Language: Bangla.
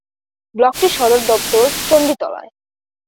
ব্লকটির সদর দপ্তর চণ্ডীতলায়।